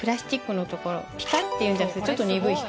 あと光っているんじゃなくちょっと鈍い光。